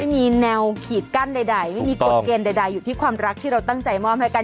ไม่มีแนวขีดกั้นใดไม่มีกฎเกณฑ์ใดอยู่ที่ความรักที่เราตั้งใจมอบให้กัน